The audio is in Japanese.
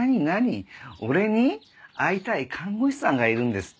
俺に会いたい看護師さんがいるんですって？